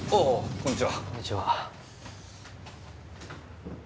こんにちは。